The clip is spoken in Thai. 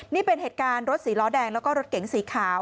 นี่เป็นเหตุการณ์รถสีล้อแดงแล้วก็รถเก๋งสีขาว